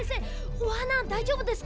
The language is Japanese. おはなだいじょうぶですか？